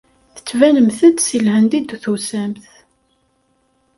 Tettbanemt-d seg Lhend i d-tusamt.